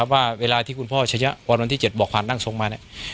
ว่าเวลาที่คุณพ่อเฉยะวันวันที่๗บอกผ่านนั่งทรงมา